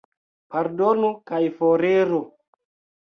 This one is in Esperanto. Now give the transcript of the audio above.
Pardonu kaj foriru.